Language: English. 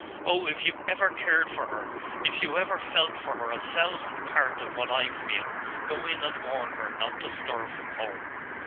Oh, if you ever cared for her if you ever felt for her a thousandth part of what I feel go in and warn her not to stir from home!